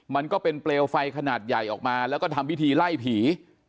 มันก็เป็นเปลวไฟขนาดใหญ่ออกมาแล้วก็ทำพิธีไล่ผี